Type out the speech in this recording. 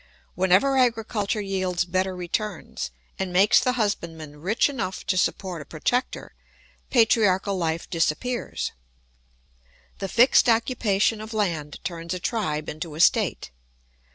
Whenever agriculture yields better returns and makes the husbandman rich enough to support a protector, patriarchal life disappears. The fixed occupation of land turns a tribe into a state.